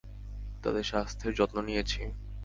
তাদের স্বাস্থ্যের যত্ন নিয়েছি।